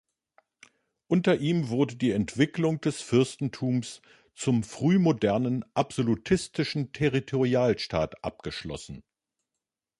Unter ihm wurde die Entwicklung des Fürstentums zum frühmodernen absolutistischen Territorialstaat abgeschlossen.